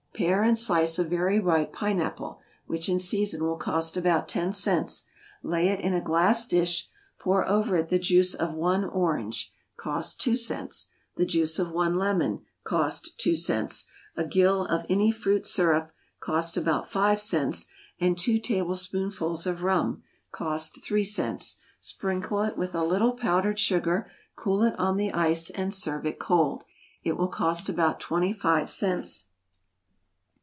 = Pare and slice a very ripe pine apple, which in season will cost about ten cents; lay it in a glass dish; pour over it the juice of one orange, (cost two cents,) the juice of one lemon, (cost two cents,) a gill of any fruit syrup, (cost about five cents,) and two tablespoonfuls of rum, (cost three cents;) sprinkle it with a little powdered sugar, cool it on the ice, and serve it cold. It will cost about twenty five cents.